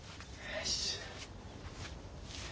よし。